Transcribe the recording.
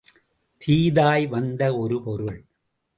தீதாய் வந்த ஒரு பொருள்.